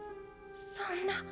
そんな。